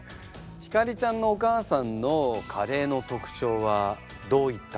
晃ちゃんのお母さんのカレーの特徴はどういったものでしょうか？